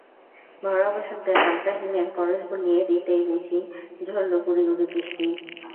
ভরা বসন্তে হালকা হিমের পরশ বুলিয়ে দিতেই বুঝি ঝরল গুঁড়ি গুঁড়ি বৃষ্টি।